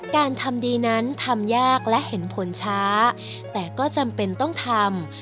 การทำดีนั้นทำยากและเห็นผลช้าแต่ก็จำเป็นต้องทำ